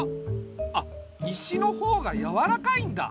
あ石の方がやわらかいんだ。